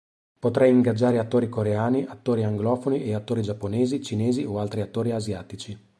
Potrei ingaggiare attori coreani, attori anglofoni e attori giapponesi, cinesi o altri attori asiatici.